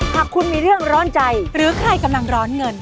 หากคุณมีเรื่องร้อนใจหรือใครกำลังร้อนเงิน